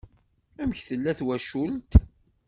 Amek tella twacult?